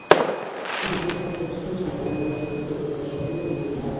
গুরুতর আহত অবস্থায় ঢাকায় নেওয়ার পথে গতকাল সকালে জাহাঙ্গীর মারা যান।